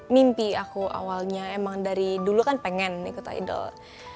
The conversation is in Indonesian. mimpi aku awalnya emang dari dulu kan pengen ikutan idol